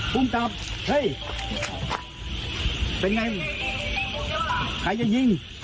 ภูมิตับนี่เป็นไงใครจะยิง